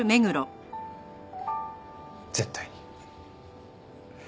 絶対に。